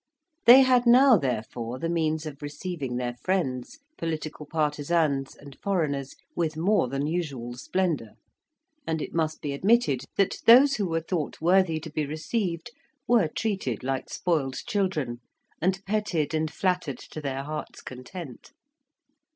They had now, therefore, the means of receiving their friends, political partisans, and foreigners, with more than usual splendour; and it must be admitted that those who were thought worthy to be received were treated like spoiled children, and petted and flattered to their heart's content.